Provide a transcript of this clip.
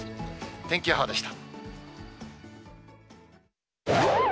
天気予報でした。